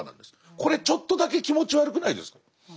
これちょっとだけ気持ち悪くないですか。